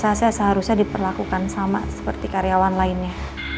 saya rasa saya seharusnya diperlakukan sama seperti karyawan lainnya